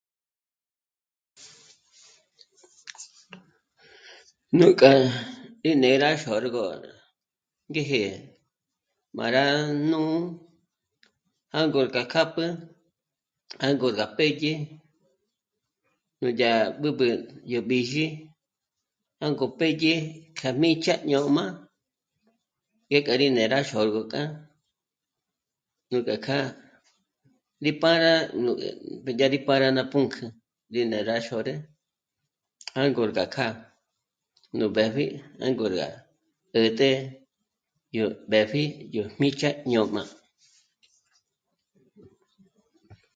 Nú kja... rí né'e rá xôrgu gó ngéje má rá nó'o, jângor gá kjápjü, jângor gá pédye, núdyá b'ǚb'ü yó b'ízhi jângo pédye kja míjch'a ñô'm'a ngéka rí né'e rá xôrgu kja, nú kja kjâ'a rí pá rá mbédyi pârá ná pǔnk'ü ngí né'e rá xôrü, jângor gá kjâ'a nú b'épji jângor gá 'ä̀t'ä yó b'épji yó jmích'a ñô'm'a